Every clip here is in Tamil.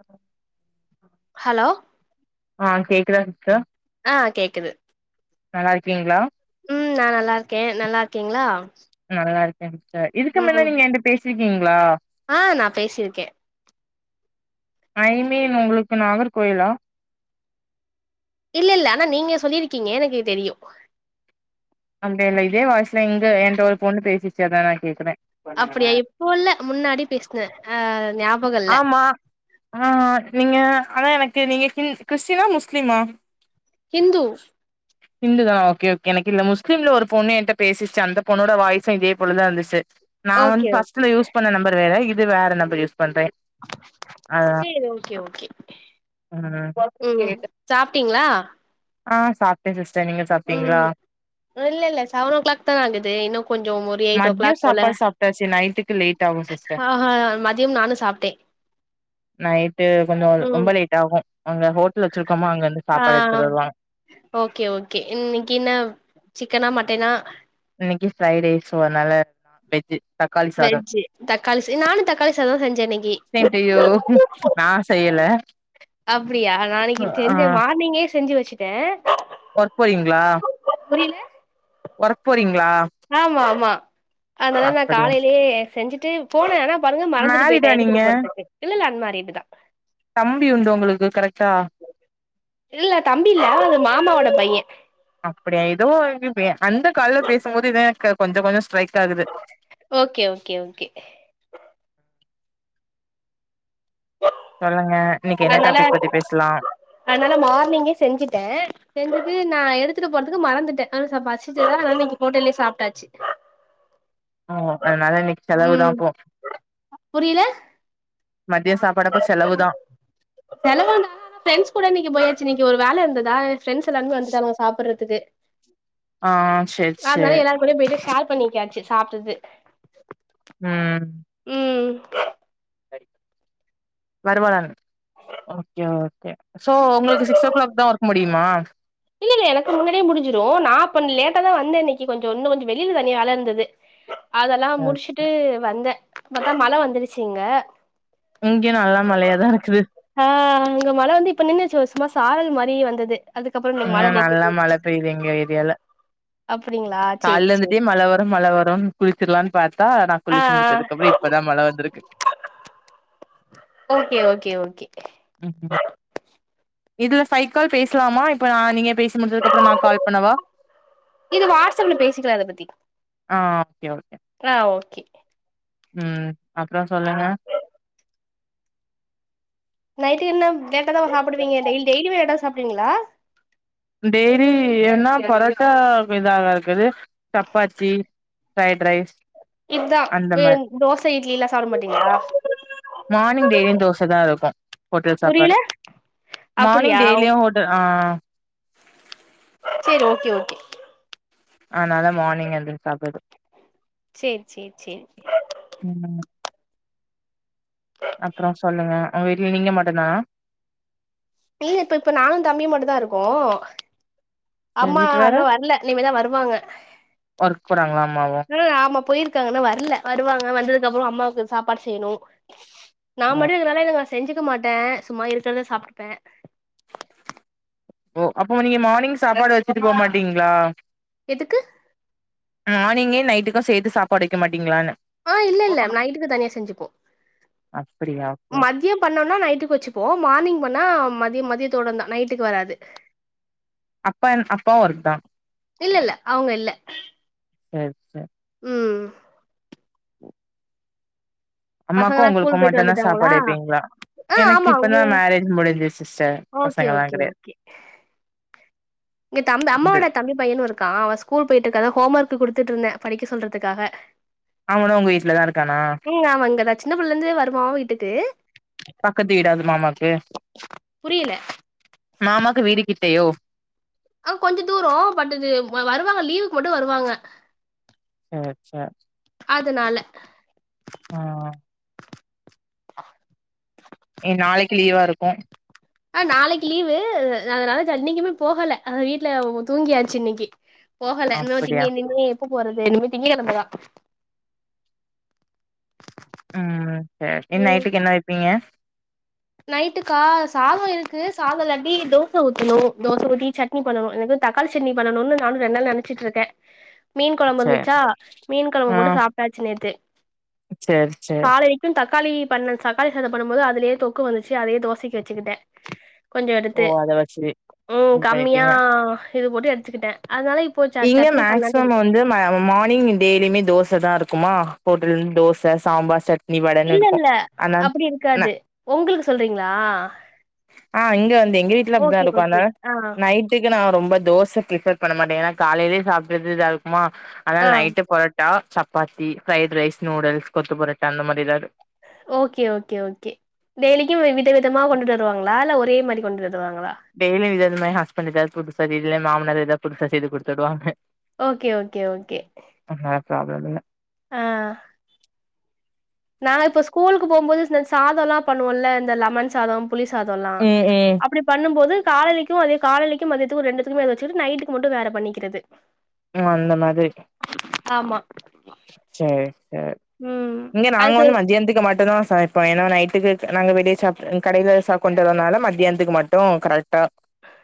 ஆ ஹலோ ஆ கேக்குதா சிஸ்டர் ஆ கேக்குது நல்லாருக்கீங்ளா ம் நா நல்லாருக்கே நல்லாருக்கீங்ளா நல்லாருக்கே சிஸ்டர் இதுக்கு மின்ன நீங்க என்ட்ட பேசிருக்கீங்ளா ஆ நா பேசியிருக்கே ஐ மீன் உங்ளுக்கு நாகர்கோயிலா இல்லல்ல ஆனா நீங்க சொல்லிருக்கீங்க எனக்கு தெரியு அப்டியா இல்ல இதே வாய்சுல எங்க என்ட ஒரு பொண்ணு பேசிச்சு அதா நா கேக்குறே அப்டியா இப்போ இல்ல முன்னாடி பேசுனே ஆ நியா ஆமா ஆ நீங்க ஆனா எனக்கு நீங்க கிறி கிறிஸ்டினா முஸ்லிமா ஹிந்து இந்துதானா ஓகே ஓகே எனக்கு இந்த முஸ்லிம்ல ஒரு பொண்ணு என்ட்ட பேசிச்சு அந்த பொண்ணோட வாய்ஸு இதே போலதா இருந்துச்சு நா வந்து ஓகே ஓகே ஃபர்ஸ்ட்ல யூஸ் பண்ண நம்பர் வேற இது வேற நம்பர் யூஸ் பண்றே ஆ சேரி ஓகே ஓகே ம் ம் சாப்டீங்ளா ஆ சாப்டே சிஸ்டர் நீங்க சாப்டீங்ளா இல்லெல்ல செவனோ க்ளாக் தான ஆகுது இன்னு கொஞ்சோ ஒரு எயிட் ஓ கிளாக் போல பொட்டாசி நைட்டுக் க்கு லேட் ஆவு சிஸ்டர் ஆ ஹா மதியம் நானு சாப்டே நைட்டு கொஞ்சோ ம் ரொம்ப லேட் ஆகு அங்க ஹோட்லு வச்சுருக்கோமா அங்கருந்து ஆ சாப்பாடு எட்த்துட்டு வருவாங்க ஓகே ஓகே இன்னிக்கின்னா சிக்கனா மட்டனா இன்னக்கி ஃப்ரை டே ஸோ அன்னால நான் வெஜ்ஜு தக்காளி சாதம் வெஜ்ஜு தக்காளி ச நானு தக்காளி சாதோ செஞ்சே இன்னக்கி சேம் டு யூ நா செய்யல அப்டியா நா இன்னக்கி ஆ செஞ்சே மார்னிங்கே செஞ்சு வச்சு ட்டே ஒர்க் போறீங்ளா ஒர்க் போறீங்ளா ஆமாமா அன்னால நா காலைலயே செஞ்சுட்டு போனே ஆனா பாருங்க மறந்துட்டு மேரிடா போயிட்டே நீங்க எடுத்துட்டு போறதுக்கு இல்லல்ல அன்மேரிட்டு தா தம்பியுண்டு ஒங்ளுக்கு கரெக்டா இல்ல தம்பியில்ல அது மாமாவோட பையே அப்டியா எதோ [unintelligible] அந்த கால்ல பேசும்போது இதா என்க்கு கொஞ்ச கொஞ்சொ ஸ்ட்ரைக் ஆகுது ஓகே ஓகே ஓகே சொல்லுங்க இன்னக்கி என்ன டாபிக் பத்தி பேசலா அன்னால மார்னிங்கே செஞ்சுட்டே செஞ்சுட்டு நா எடுத்துட்டு போறதுக்கு மறந்துட்டே ஆனா ச பசிச்சது ஆனா இன்னக்கி ஹோட்டல்லே சாப்ட்டாச்சு ஓ அன்னால இன்னக்கி செலவுதா ம் போ புரில மதிய சாப்பாடப்ப செலவுதா செலவு தா ஃப்ரெண்ட்ஸ் கூட இன்னக்கி போயாச்சு இன்னக்கி ஒரு வேல இந்த தா ஃப்ரெண்ட்ஸ் எல்லாமே வந்துட்டாங்க சாப்பறதுக்கு ஆ செர் சே [unintelligible] ஷேர் பண்ணிக்காச்சு சாப்டது ம் ம் [unintelligible] ஓகே ஓகே சோ ஒங்களுக்கு சிக்ஸ் ஓ க்ளாக் தா வொர்க் முடியுமா இல்லல்ல எனக்கு முன்னாடியே முடிஞ்சிரூ நா கொஞ்சோ லேட்டா தா வந்த இன்னைக்கு கொஞ்சோ இன்னு கொஞ்சோ வெளில தனியா வேல இருந்தது அதெல்லா சேரி முடிச்சுட்டு சேரி வந்தே பாத்தா மழ வந்துருச்சு இங்க இங்க நல்லா மழயாதா இருக்குது ஹா இங்க மழ வந்து இப்ப நின்னுர்ச்சு சும்மா சாரல் மாரி வந்தது அதுக் ம்ங்க நல்லா மழ பெய்து எங்க ஏரியால அப்டிங்களா சேரி கால்லருந்துட்டே சேரி மழ வரு மழ வரு குளிச்சிர்லானு பாத்தா ஆ குளிஸ்சி முடிச்சதுகப்ரோ ஆ இப்பதா மழ வந்திருக்கு ஓகே ஓகே ஓகே [unintelligible] இதுல சைக்கால் பேஸ்லாமா இப்ப நா நீங்க பேஸ் முடிஞ்சதுக்கப்ரோ நா கால் பண்ணவா இது வாட்ஸ்அப்ல பேசிக்கலா ஆ க்கே ஓகே அ ஓகே ம் அப்ரோ சொல்லுங்க நைட்டு என்ன லேட்டா தா சாப்புடுவீங்க டெய்ல் டெய்லியுமெ லேட்டா தா சாப்டுவிங்ளா டெய்ரி என்னா பொரோட்டா இதாகருக்குது சப்பாத்தி ஃப்ரைட் ரைஸ் இதா அந்த மாரி ம் தோச இட்லிலா சாப்ட மாட்டிங்களா மானிங் டெய்லியு தோச தா இருக்கு ஹோட்டல் புரியல சாப்பாடு மானிங் அப்டியா டெய்லியு ஹோ க்கு ஆ செரி ஓகே ஓகே அனால மார்னிங் எந்திரிச்சா போது செரி செரி செரி செரி [unintelligible] அப்றோ சொல்லுங்க உங்க வீட்ல நீங்க மட்டு்தானா இல்ல இப்பப்ப நானு தம்பியு மட்டு தா இருக்கோ உங்க அம்மா வீட்ல வேற இன்னு வரல இனிமே தா வருவாங்க. ஒர்க் போறாங்ளா அம்மாவு ம் ஆமா போயிருக்காங்க இன்னு வரல வருவாங்க வந்ததுக்கப்ரோ அம்மாவுக்கு சாப்பாடு செய்யணு நா மட்டு இருக்கரால இத செஞ்சுக்க மாட்டே சும்மா இருக்கிறத சாப்டுப்பே ஒ அப்போ நீங்க மானிங் சாப்பாடு வச்சுட்டு போமாட்டீங்களா எதுக்கு மார்னிங்கே நைட்டுக்கு சேர்த்து சாப்பாடு வைக்க மாட்டீங்ளானு ஆ இல்லல்ல நைட்டுக்கு தனியா செஞ்சுப்போ அப்டியா ஓகே ஓகே மதியோ பண்ணோன்னா நைட்டுக்கு வைச்ப் இப்போ மார்னிங் பண்ணா மதியம் மதியத்தோட தா நைட்டுக்கு வராது. அப்பன் அப்பாவு ஒர்க் தா இல்ல இல்ல அவங்க இல்ல [unintelligible] ம் அம்மாக்கு பசங்கல்லா உங்களுக்கு ஸ்கூல் பொய்ட்டு மட்டுந்தா வந்துட்டாங்களா சாப்பாடு வைப்பீங்களா அ எனக்கு இப்பதா ஆமாங்கே மேரேஜ் முடிஞ்சுது சிஸ்டர் ஓகே பசங்கல்லா ஓகே கெடையாது ஓகே இங்க தம்பு இது அம்மோட தம்பி பையனு கா அவன் ஸ்கூல் பொய்ட்டு இருக்கா அதா ஹோம் ஒர்க் கொடுத்துட்டு இருந்தே படிக்க சொல்றதுக்காக அவனு உங்க வீட்லதா இருக்கானா ம் அவ இங்கதா சின்ன புள்ளருந்து வருவா வீட்டுக்கு பக்கத்து வீடா அது மாமாக்கு புரியல மாமாக்கு வீடு கிட்டையோ அவ் கொஞ்சோ தூரோ பட் இது வ வருவாங்க லீவ்க்கு மட்டு வருவாங்க [unintelligible] அதுனால ஆ [inaudible] எ நாளைக்கு லீவாருக்கு ஆ நாளைக்கி லீவு அதனால ஜா இன்னைக்குமே போகல அது வீட்ல தூங்கியாச்சு இன்னைக்கி போகல இனிமே அப்படியா திங்கேனின்னே எப்ப போறது இனிமே திங்ககெழம தா ம் சர் நைட்டுக்கு என்ன வெப்பீங்க நைட்டுக்கா சாதொ இருக்கு சாதொ இல்லாட்டி தோச ஊத்தணு தோச ஊத்தி சட்னி சட்னி பண்ணணு எனக்கூ தக்காளி சட்னி பண்ணணுனு நானு ரெண்ட் நாளா நெனச்சிட்ருக்கே மீன் கொழம்பு சேர் இருந்துச்சா மீன் கொழம்பு ஆ போட்டு சாப்பிட்டாச்சு நேத்து சேர் சேர் காலைலக் கு தக்காளி பண்ண தக்காளி சாதம் பண்ணம் போது அதுலயே தொக்கு வந்துச்சு அதையே தோசைக்கு வச்சுக்கிட்டே கொஞ்சோ ஓ எடுத்து அத வச்சு ம் இது கம்மியா பண்ணிட்டீங்க இது போட்டு எடுத்துக்கிட்டே அதானால இப் இப்போ ச இங்க சட்னி பண்லான்ட்டு மேக்சிமம் இருக்கே வந்து மார்னிங் டெய்லியுமே தோச தா இருக்குமா ஹோட்டலந்து தோச சாம்பார் சட்னி வடன்னு இருக்கு இல்லல்ல அப்பிடி ஆனா இருக்காது ஒங்களுக் சொல்றீங்ளா ஆ இங்க வந்து எங்க வீட்ல அப்டிதா இருக்கூ ஓகே அதனால ஆ நைட் ட்டுக்கு நான் ரொம்ப தோச ப்ரிப்பர் பண்ண மாட்டே ஏன்னா காலையிலயே சாப்டது இதா இருக்குமா ஆ அதனால் night parotta chapati fried rice noodles kothu parotta அந்த மாரி எதாவ்து ஓகே ஓகே ஓகே டெய்லிக்கூ வித விதமாக கொண்டுட்டு வருவாங்களா இல்ல ஒரே மாரி கொண்டுட்டு வருவாங்களா டெய்லி விதவிதமா என் ஹஸ்பண்டுக்கு புதுசா இல்ல என் மாமனாரு எதாவ்து புதுசா செய்து குடுத்துருவாங்க ஓகே ஓகே ஓகே அதனால் ப்ராப்ளம் இல்ல ஆ நா இப்ப ஸ்கூலுக்கு போம்போது இந்த சாதொல்லா பண்ணுவோல்ல இந்த லெமன் சாதொ புளி சாதொ ல்லா ம் ம் அப்டி பண்ணும்போது காலைலை க்கூ அதே காலைலைக்கும் மதியதுக்கும் ரெண்டுத்துக்குமே அதே வச்சுட்டு நைட்டுக்கு மட்டு வேற பண்ணிக்கிறது ம் அந்த மாதிரி ஆமா சேரி சேரி ம். இங்க நாங்க அது வந்து மதியானத்துக்கு மட்டுந்தா சமை இப்ப ஏன்னா நைட்டுக்கு நாங்க வெளியே சா கடையில சாப் கொண்டறதுனால மத்தியானத்துக்கு மட்டு கரெக்டா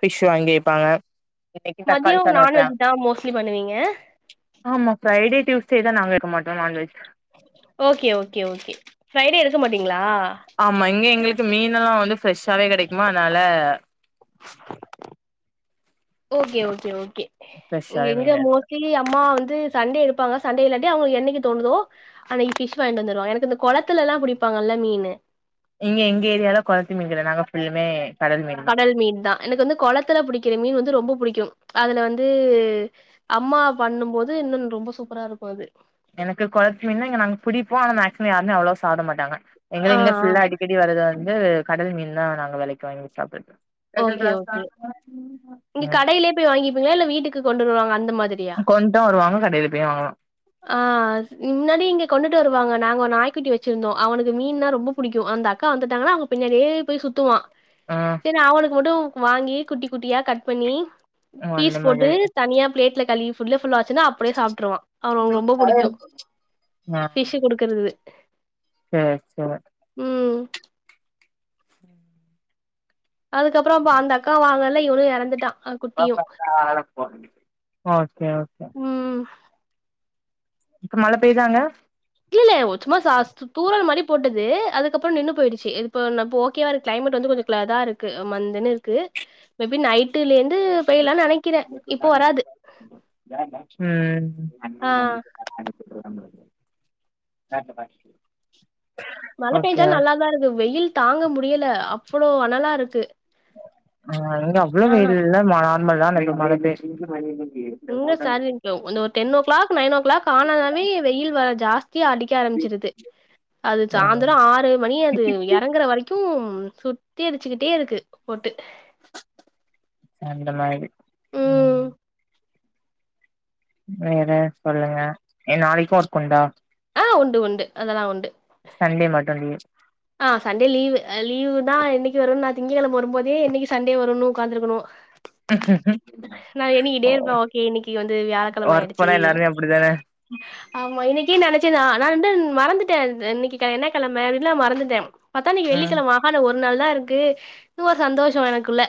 ஃபிஷ் வாங்கீர்பாங்க மதியொ நான்வெஜ் தா மோஸ்ட்லி பண்ணுவீங்க ஆமா ஃப்ரைடே டியூஸ்டே தா நாங்க வெக்க மாட்டோ non veg okay okay okay Friday எடுக்க மாட்டீங்ளா ஆமா இங்க எங்களுக்கு மீனெல்லா வந்து ஃப்ரெஷ்ஷாவே கெடைக்குமா அதனால ஓகே ஓகே ஓகே இங்க ஃப்ரெஷ்ஷாவே எங்க மீன் எடுப்போ மோஸ்ட்லி அம்மா வந்து சண்டே எடுப்பாங்க சண்டே இலாட்டி அவுங்களுக்கு என்னைக்கி தோணுதோ அன்னைக்கி ஃபிஷ் வாங்ட்டு வந்துருவாங்க எனக்கு இந்த கொளத்துல எல்லா புடிப்பாங்கல்ல மீன்னு இங்க எங்க ஏரியால கொளத்து மீன் கெடயாது நாங்க ஃபுல்லுமே மீன் தா கடல் மீன் தா எனக்கு வந்து கொளத்துல புடிக்கிற மீன் வந்து ரொம்ப புடிக்கும் அதுல வந்து அம்மா பண்ணும் போது இன்னு ரொம்ப சூப்பரா இருக்கூ அது எனக்கு கொளத்து மீன்ன இங்க நாங்க பிடிப்போ ஆனா மேக்சிமோ யாருமே அவ்வளவா சாப்ட மாட்டாங்க எங்கள ஆ இங்க ஆ ஃபுல்லா அடிப் க்கடி வரது வந்து கடல் மீன் தா நாங்க வெலைக்கி வாங்கி சாப்றது பெஷல் ஓகே கிளாஸ்தா ஓகே. இங்க [unintelligible] கடையிலே போய் வாங்கிப்பிங்ளா இல்ல வீட்டுக்கு கொண்டு வருவாங்க அந்த மாதிரி கொண்டூ வருவாங்க கடையில போய் வாங்கலா ஆ முன்னாடி இங்க கொண்டுட்டு வருவாங்க நாங்க நாய்க்குட்டி வச்சிருந்தோ அவனுக்கு மீன்னா ரொம்ப புடிக்கூ அந்த அக்கா வந்துட்டாங்கன்னா அவுங்க பின்னாடியே போய் சுத்துவா ஆ செரினு அவனுக்கு மட்டு வாங்கி குட்டி குட்டியா கட் பண்ணி ஓ அந்த ஃபீஸ் போட்டு மாதிரி தனியா பிளேட்ல களி ஃபுல ஃபுல்லாச்சுன்னா அப்டியே சாப்டுருவா அவனுக்கு ரொம்ப புடிக்கூ ஆ ஃபிஷ் குடுக்கறது சேரி சேரி ம் அதுக்கப்றோ அப்ப அந்த அக்கா வாழல இவனு எறந்துட்டா குட்டியு [inaudible] ஓகே ஓகே ம் இப்ப மழ பெய்தாங்க இல்லல்ல ஒரு சும்மா சாஸ்ட் து தூறல் மாரி போட்டது அதுக்கப்பறோ நின்னு போயிடுச்சு இப்ப நப் ஓகேவா இருக் கிளைமேட் வந்து கொஞ்ச க்ள இதாருக் கு மந்தன்னுருக்கு மேபி நைட்டுலெர்ந்து பெய்யலான் நெனைக் ம் ஆ ம் [inaudible] மழ ஓகே பெஞ்சாலு நல்லா தா இருக்கு வெயில் தாங்க முடியல அவ்ளோ அனலாருக்கு ஆ இங்க அவ்ளோ வெயில் இல்ல ம நார்மலா நேத்து மழ பேஞ்சு [inaudible] இங்க [unintelligible] அந்த ஒரு டென்னோ கிளாக் நைனோ கிளாக் ஆனன்னாவே வெயில் வ ஜாஸ்தியா அடிக்க ஆரம் ச்சிருது அது ஓ சாய்ந்தரோ ஆறு மணி அது எறங்கற வரைக் கும் சுத்தி அடிச்சுகிட்டே இருக்கு போட்டு சோ அந்த மாரி ம் ம் வேற சொல்லுங்க ஏ நாளைக்கு ஒர்க் உண்டா ஆ உண்டு உண்டு அதெல்லா உண்டு சண்டே மட்டு லீவ் ஆ சண்டே லீவு அ லீவு தா என்னைக்கு வரு நா திங்ககெழம வரும்போதே என்னைக்கு சண்டே வருன்னு உக்காந்துருக்கணு நா எண்ணிக்கிட்டே இருப்பே ஓகே இன்னிக்கு வந்து வியாழக்கெழம ஒர்க் ஆயிடுச்சி போனா எல்லாருமே அப்டிதானே ஆமா இன்னிக்கு நெனச்சேனா நா வந்து மறந்துட்டே இந் இன்னிக்கு கெ என்ன கெழம எல்லா மறந்துட் டே பாத்தா இன்னிக்கு ம் வெள்ளிக்கெழம ஆஹா இன்னு ஒரு நாள் தா இருக்கு ஒரு சந்தோஷோ எனக்குள்ள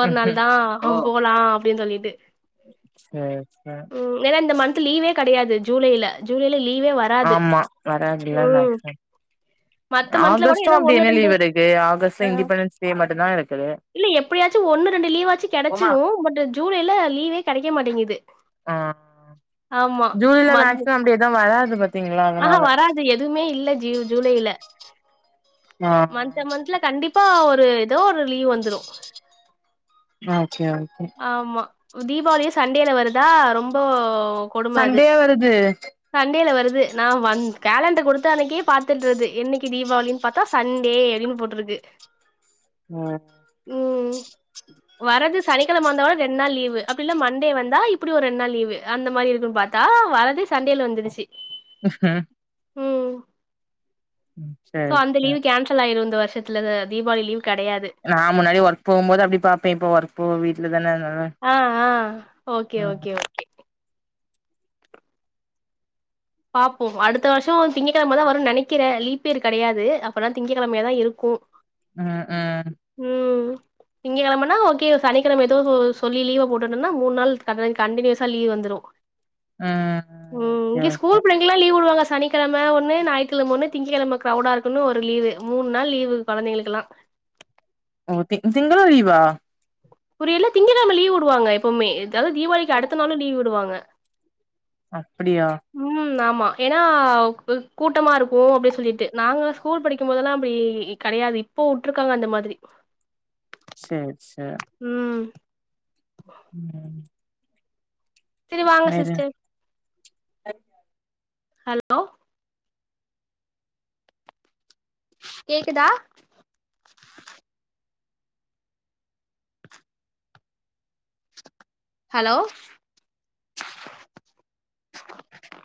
ஒரு நாள் தா ஆஹும் போலா அப்டின் சொல்லிட்டு சேர் சேர் ம் ஏனா இந்த மன்த்து லீவே கெடையாது ஜூலைல ஜூலைல லீவே வரா ஆமா வராதுல்ல மேக்ஸ்மம் மத்த மந்த்ல கூட ஆகஸ்ட்டு ஏதோ அப்டி ஒண்ணு என்ன ரெண்டு லீவ் இருக்கு ஆகஸ்ட்டு இண்டிபெண்டன்ஸ் டே மட்டுந்தா இருக்குது இல்ல எப்டியாச்சு ஒன்னு ரெண்டு லீவாச்சி கெடச்சுரு பட்டு ஜூலைல லீவே கெடைக்க மாட்டேங்கிது ஆ ஜூலைல மேக்ஸ்மம் அப்டி எது வராது பாத் ஆ ஆ வராது எதுவுமே இல்ல ஜீவ் ஜூலைல னா மன்த்த மன்த்ல கண்டிப்பா ஒரு எதோ ஒரு லீவ் வந்துரு ஆ சேர் ஓகே ஆமா ம் தீபாவளியு சண்டேல வருதா ரொம்போ கொடும அது சண்டேயா வருது சண்டேல வருது நா வந் கேலண்டர் கொடுத்த அன்னைக்கே பாத்துட்றது என்னைக்கு தீபாவளின் பாத்தா சண்டே அப்டினு போட்ருக்கு ம் ம் வரது சனிக்கெழம வந்தா கூட ரெண் நாள் லீவு அப்டி இல்ல மண்டே வந்தா இப்டி ஒரு ரெண் நாள் லீவு அந்த மாரி இருக்கு பாத் தா வரதே சண்டேல வந்துருச்சி ம் சோ சேரி அந்த லீவு சேரி கேன்சல் ஆயிரு இந்த வர்ஷத்துல இத தீபாவளி லீவ் கெடையாது நா முன்னாடி ஒர்க் போம்போது அப்டி பாப்பே இப்ப ஒர்க் போ வீட்ல தான அதுனால ஆ ஆ ஓகே ஓகே ஓ பாப்போ அடுத்த வர்ஷோ திங்கக்கெழம தா வரு நெனைக்கிற லீப் இயர் கெடையாது அப்பன்னா திங்கக்கெழமையா தா இருக்கு ம் ம் ம் திங்கக்கெழமன்னா ஓகே சனிக்கெழம ஏதோ சொ சொல்லி லீவ போட்டுட்டனா மூணு நாள் கட கண்டினியூஸா லீவ் வந்துரு ம் ம் ஓகே இங்க ஓகே ங்களா லீவ் விடுவாங்க சனிக்கெழம ஒன்னு ஞாயிக்கெழம ஒன்னு திங்கக்கெழம கிரவுடா இருக்குன்னு ஒரு லீவு மூணு நாள் லீவு கொழந்தைங்களுக்கெல்லா ஓகே திங்களு லீவா புரியல திங்கக்கெழம லீவ் விடுவாங்க எப்போமே ஏதாது தீபாளிக்கு அடுத்த நாளு லீவ் விடுவாங்க அப்டியா ம் ஆமா ஏன்னா கூட கூட்டமா இருக்கும் அப்டின்னு சொல்லிட்டு நாங்க ஸ்கூல் படிக்கும் போதெல்லா அப்டி கெடையாது இப்போ உட்ருக்காங்க அந்த மாதிரி சேரி சேரி ம் ம் செரி வாங்க வேற சிஸ்டர் ஹலோ கேக்குதா ஹலோ